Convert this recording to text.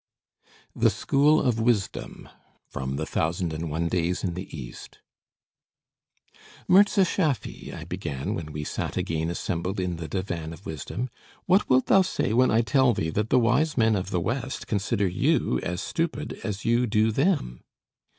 THE SCHOOL OF WISDOM From the 'Thousand and One Days in the East' "Mirza Schaffy!" I began, when we sat again assembled in the Divan of Wisdom, "what wilt thou say when I tell thee that the wise men of the West consider you as stupid as you do them?"